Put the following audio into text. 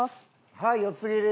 はい四つ切り。